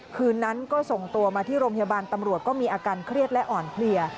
คืนนั้นก็ส่งตัวมาที่โรงพยาบาลตำรวจก็มีอาการเครียดและอ่อนเพลีย